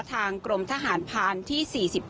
ทางกรมทหารพานที่๔๙